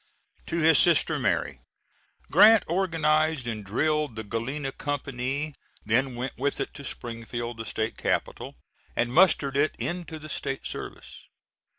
[To his sister Mary. Grant organized and drilled the Galena company, then went with it to Springfield, the State capital, and mustered it into the State service.